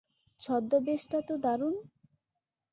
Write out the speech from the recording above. ছদ্দবেশ টা তো দারুন!